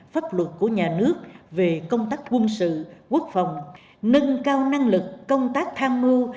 pháp luật của nhà nước về công tác quân sự quốc phòng nâng cao năng lực công tác tham mưu